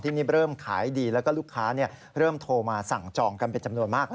เริ่มขายดีแล้วก็ลูกค้าเริ่มโทรมาสั่งจองกันเป็นจำนวนมาก